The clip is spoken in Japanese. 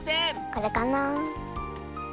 これかな？